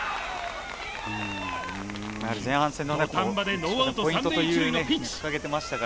土壇場でノーアウト３塁１塁のピンチ。